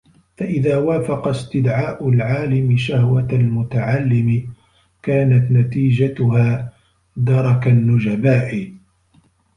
فَإِذَا وَافَقَ اسْتِدْعَاءُ الْعَالِمِ شَهْوَةَ الْمُتَعَلِّمِ كَانَتْ نَتِيجَتُهَا دَرَكَ النُّجَبَاءِ